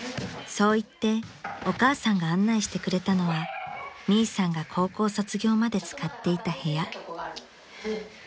［そう言ってお母さんが案内してくれたのはミイさんが高校卒業まで使っていた部屋］